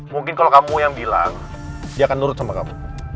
mungkin kalau kamu yang bilang dia akan nurut sama kamu